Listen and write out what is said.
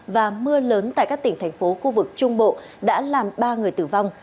và mưa lớn tại các tỉnh thành phố khu vực trung bộ đã làm ba người tử vong